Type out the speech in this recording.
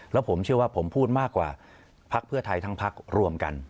แล้วผมเชื่อว่าผมพูดมากกว่าพักเพื่อไทยทั้งพักรวมกัน